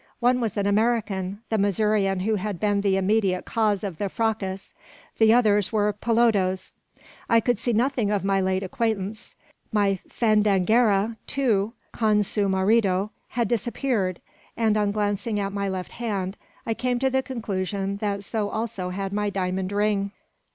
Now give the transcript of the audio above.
One was an American, the Missourian who had been the immediate cause of the fracas; the others were pelodos. I could see nothing of my late acquaintance. My fandanguera, too con su marido had disappeared; and on glancing at my left hand, I came to the conclusion that so also had my diamond ring!